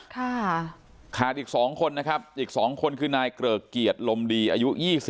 ขาดอีก๒คนนะครับอีก๒คนคือนายเกริกเกียรติลมดีอายุ๒๐